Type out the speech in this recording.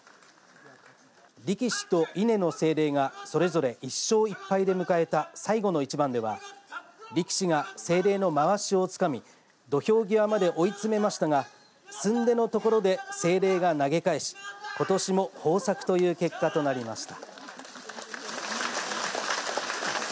力士と稲の精霊がそれぞれ１勝１敗で迎えた最後の１番では歴史が精霊のまわしをつかみ土俵際まで追い詰めましたがすんでのところで精霊が投げ返しことしも豊作という結果となりました。